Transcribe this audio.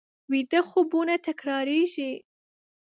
ویده خوبونه تکرارېږي